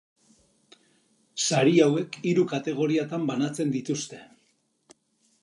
Sari hauek hiru kategoriatan banatzen dituzte.